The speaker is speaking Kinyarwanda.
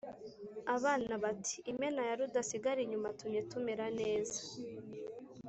abana bati: «imena ya rudasigarinyuma atumye tumera neza,